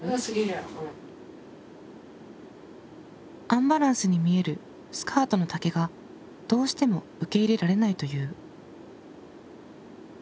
アンバランスに見えるスカートの丈がどうしても受け入れられないという。